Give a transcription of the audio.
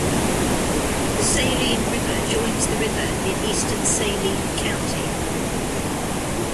The Saline River joins the river in eastern Saline County.